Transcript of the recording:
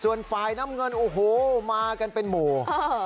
ส่วนฝ่ายน้ำเงินโอ้โหมากันเป็นหมู่